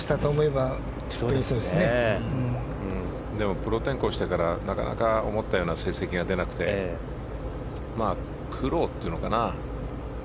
プロ転向してからなかなか思ったような成績が出なくてプロというのかな。